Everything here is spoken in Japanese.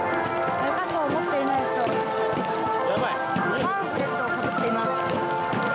傘を持っていない人パンフレットをかぶっています。